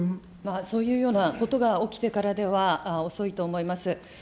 そういうようなことが起きてからでは遅いと思います。